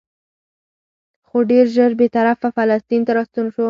خو ډېر ژر بېرته فلسطین ته راستون شو.